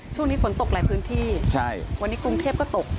ช่วงนี้ฝนตกหลายพื้นที่วันนี้กรุงเทพก็ตก